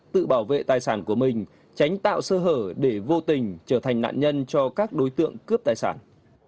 tự bảo vệ tài sản của mình tránh tạo sơ hở để vô tình trở thành nạn nhân cho các đối tượng cướp tài sản